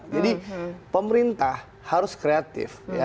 jadi pemerintah harus kreatif